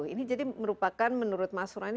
ini jadi merupakan menurut mas rohani